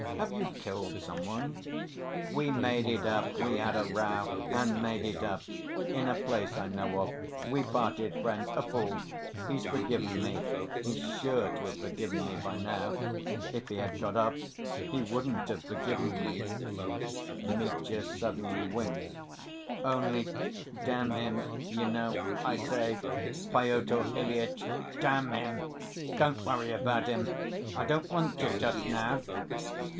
Have you killed some one?" "We made it up. We had a row—and made it up. In a place I know of. We parted friends. A fool.... He's forgiven me.... He's sure to have forgiven me by now ... if he had got up, he wouldn't have forgiven me"—Mitya suddenly winked—"only damn him, you know, I say, Pyotr Ilyitch, damn him! Don't worry about him! I don't want to just now!"